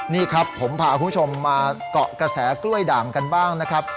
นี่ครับผมพาคุณผู้ชมมาเกาะกระแสกล้วยด่างกันบ้างนะครับ